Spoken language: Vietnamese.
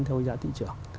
theo giá thị trường